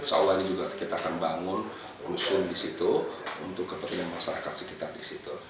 soalnya juga kita akan bangun usun di situ untuk kepentingan masyarakat sekitar di situ